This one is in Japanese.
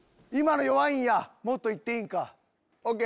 今の弱いんやもっと行っていいんか。